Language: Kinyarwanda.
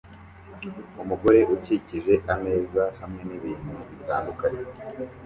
umugore ukikije ameza hamwe nibintu bitandukanye